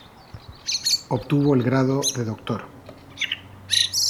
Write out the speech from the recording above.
Obtuvo el grado de doctor.